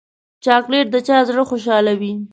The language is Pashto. چاکلېټ د چا زړه خوشحالوي.